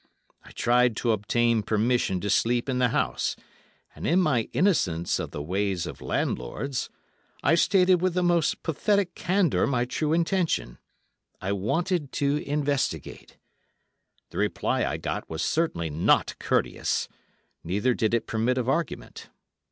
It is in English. I tried to obtain permission to sleep in the house, and in my innocence of the ways of landlords, I stated with the most pathetic candour my true intention—I wanted to investigate. The reply I got was certainly not courteous, neither did it permit of argument.